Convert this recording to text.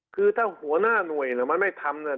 คือถ้าหัวหน้าหน่วยหรือมันไม่ทำเนี่ย